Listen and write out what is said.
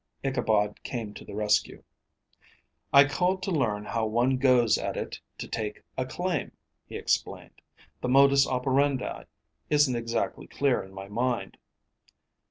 Ichabod came to the rescue. "I called to learn how one goes at it to take a claim," he explained. "The modus operandi isn't exactly clear in my mind."